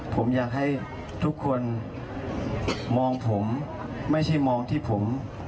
ผมอยากให้ทุกคนมองผมไม่ใช่มองที่ผม